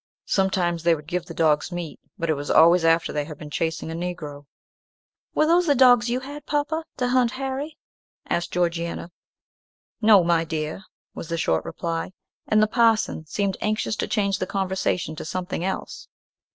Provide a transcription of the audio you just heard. Sometimes they would give the dogs meat, but it was always after they had been chasing a Negro." "Were those the dogs you had, papa, to hunt Harry?" asked Georgiana. "No, my dear," was the short reply: and the parson seemed anxious to change the conversation to something else.